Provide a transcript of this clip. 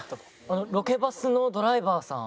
あのロケバスのドライバーさん